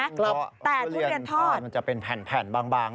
กรอบแต่ทุเรียนทอดมันจะเป็นแผ่นบางน่ะ